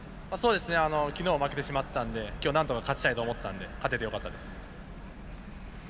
昨日は負けてしまってたんで今日はなんとか勝ちたいと思っていたので勝ててよかったです。